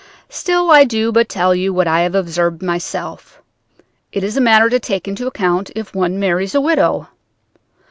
Still I do but tell you what I have observed myself. It is a matter to take into account if one marries a widow.